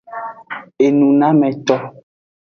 Enunameto.